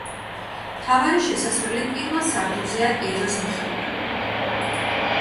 მთავარი შესასვლელი პირველ სართულზეა ეზოს მხრიდან.